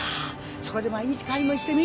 そこで毎日買い物してみ？